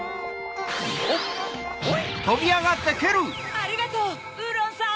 ありがとうウーロンさん！